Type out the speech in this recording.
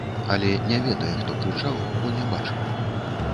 Але не ведае, хто крычаў, бо не бачыў.